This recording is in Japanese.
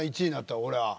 １位になったら。